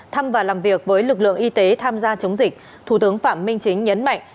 thăm và làm việc với lực lượng y tế tham gia chống dịch thủ tướng phạm minh chính nhấn mạnh